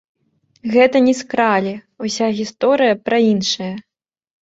Гэта не скралі, уся гісторыя пра іншае.